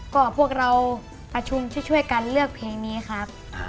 ก็พวกเราประชุมช่วยกันเลือกเพลงนี้ครับ